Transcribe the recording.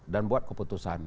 dan buat keputusan